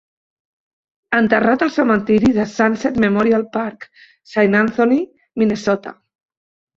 Enterrat al cementiri de Sunset Memorial Park, Saint Anthony, Minnesota.